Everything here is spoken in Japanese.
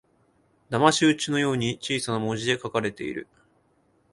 だまし討ちのように小さな文字で書かれている